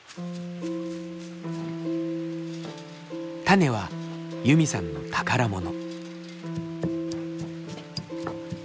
種はユミさんの宝物。